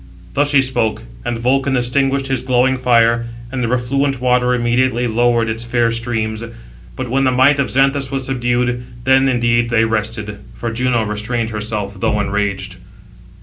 Thus she spoke; and Vulcan extinguished his glowing fire, and the refluent water immediately lowered its fair streams. But when the might of Xanthus was subdued, then indeed they rested; for Juno restrained herself, though enraged.